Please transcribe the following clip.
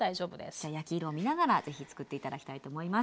じゃ焼き色を見ながら是非つくって頂きたいと思います。